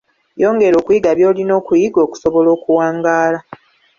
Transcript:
Yongera okuyiga by’olina okuyiga okusobola okuwangaala.